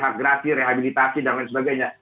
agrafi rehabilitasi dan lain sebagainya